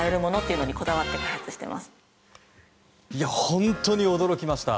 本当に驚きました。